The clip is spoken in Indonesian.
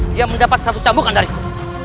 dia mendapat satu cambukan dariku